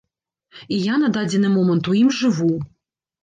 І я на дадзены момант у ім жыву.